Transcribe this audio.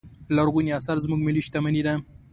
لرغوني اثار زموږ ملي شتمنې ده.